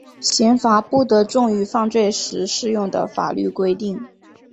刑罚不得重于犯罪时适用的法律规定。